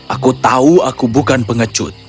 aku tahu aku bukan pengecut